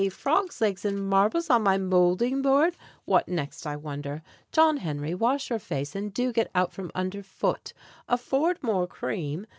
Frogs' legs and marbles on my moulding board! What next I wonder? John Henry, wash your face; And do get out from under foot, "Afford more Cream?"